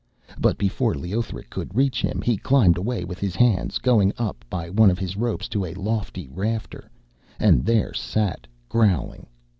But before Leothric could reach him, he climbed away with his hands, going up by one of his ropes to a lofty rafter, and there sat, growling.